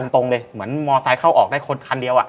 ตรงเลยเหมือนมอไซค์เข้าออกได้คนคันเดียว